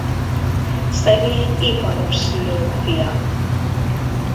Szegény iparos szülők fia.